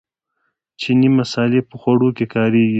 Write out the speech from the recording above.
چیني مسالې په خوړو کې کاریږي.